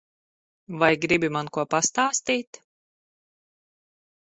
Vai gribi man ko pastāstīt?